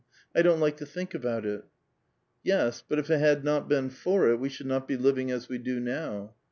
I don't like to think about it." *' Yes, but if it had not been for it, we should not be liv ing as we do now."